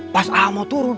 pas a'ah mau turun